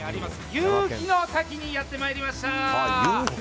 夕日の滝にやってまいりました。